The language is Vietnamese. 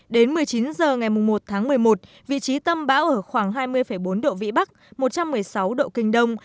đến một mươi chín h ngày một tháng một mươi một vị trí tâm bão ở khoảng hai mươi bốn độ vĩ bắc một trăm một mươi sáu độ kinh đông